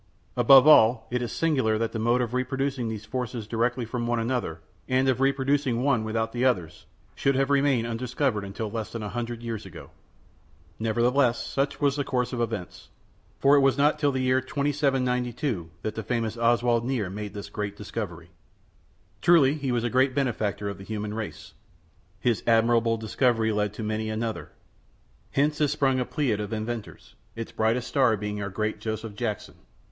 Above all, it is singular that the mode of reproducing these forces directly from one another, and of reproducing one without the others, should have remained undiscovered till less than a hundred years ago. Nevertheless, such was the course of events, for it was not till the year 2792 that the famous Oswald Nier made this great discovery. Truly was he a great benefactor of the human race. His admirable discovery led to many another. Hence is sprung a pleiad of inventors, its brightest star being our great Joseph Jackson.